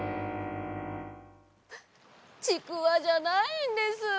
ちくわじゃないんです。